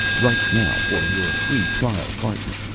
"Write now for your free trial carton.